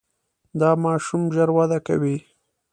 دا ماشوم ژر وده کوي.